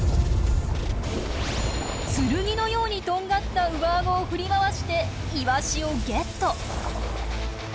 剣のようにとんがった上アゴを振り回してイワシをゲット！